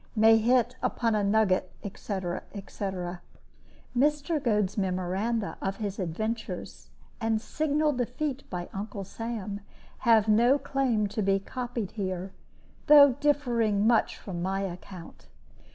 May hit upon a nugget, etc., etc." Mr. Goad's memoranda of his adventures, and signal defeat by Uncle Sam, have no claim to be copied here, though differing much from my account.